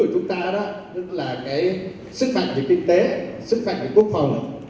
thực lực tướng của chúng ta đó là cái sức mạnh của kinh tế sức mạnh của quốc phòng